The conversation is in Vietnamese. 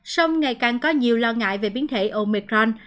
song ngày càng có nhiều lo ngại về biến thể omicron